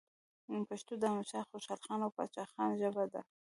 پښتو د احمد شاه خوشحالخان او پاچا خان ژبه ده.